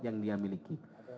yang dia miliki